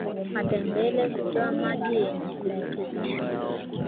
matembele hutoa maji yenye virutubisho